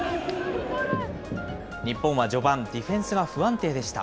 日本は序盤、ディフェンスが不安定でした。